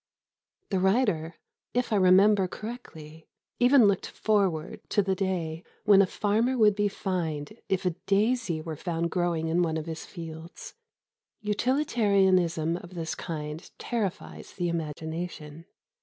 The writer, if I remember correctly, even looked forward to the day when a farmer would be fined if a daisy were found growing in one of his fields. Utilitarianism of this kind terrifies the imagination.